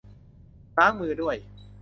ล้างมือด้วย